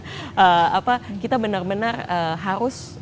jangan diinjak jangan dirusak jangan apa kita benar benar harus